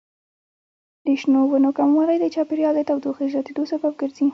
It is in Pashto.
د شنو ونو کموالی د چاپیریال د تودوخې زیاتیدو سبب ګرځي.